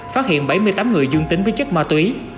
phát hiện bảy mươi tám người dương tính với chất ma túy